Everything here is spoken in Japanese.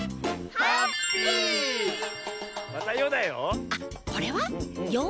ハッピー！